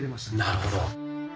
なるほど。